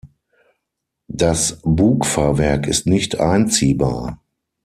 Das Bugfahrwerk ist nicht einziehbar.